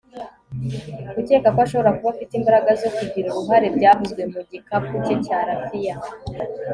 gukeka ko ashobora kuba afite imbaraga zo kugira uruhare, byavuzwe mu gikapu cye cya raffia